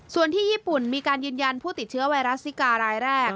ส่วนที่ญี่ปุ่นมีการยืนยันผู้ติดเชื้อไวรัสซิการายแรก